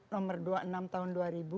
nomor dua puluh enam tahun dua ribu dua